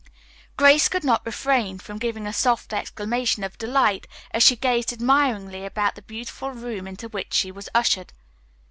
Grace could not refrain from giving a soft exclamation of delight as she gazed admiringly about the beautiful room into which she was ushered.